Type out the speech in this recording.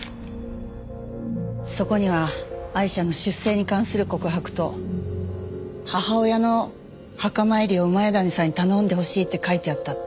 そこにはアイシャの出生に関する告白と母親の墓参りを谷さんに頼んでほしいって書いてあったって。